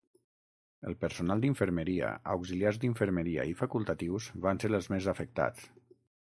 El personal d’infermeria, auxiliars d’infermeria i facultatius van ser els més afectats.